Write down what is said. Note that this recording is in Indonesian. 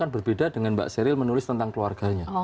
berbeda dengan mbak seril menulis tentang keluarganya